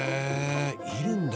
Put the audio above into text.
煎るんだ。